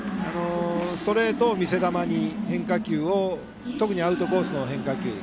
ストレートを見せ球に、変化球を特にアウトコースの変化球。